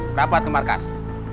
berapat ke markas